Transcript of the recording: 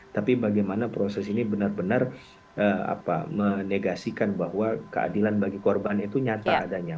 tapi bagaimana proses ini benar benar menegasikan bahwa keadilan bagi korban itu nyata adanya